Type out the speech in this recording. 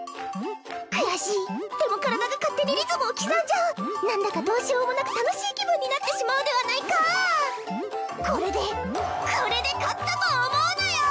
悔しいでも体が勝手にリズムを刻んじゃう何だかどうしようもなく楽しい気分になってしまうではないかこれでこれで勝ったと思うなよ！